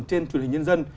trên truyền hình nhân dân